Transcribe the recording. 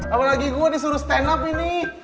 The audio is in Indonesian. apalagi gue disuruh stand up ini